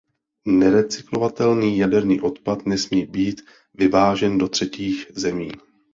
Nerecyklovatelný jaderný odpad nesmí být vyvážen do třetích zemí.